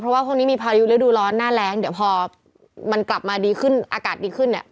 เพราะว่าพรุ่งนี้มีพายุฤดูร้อนหน้าแรงเดี๋ยวพอมันกลับมาดีขึ้นอากาศดีขึ้นเนี่ย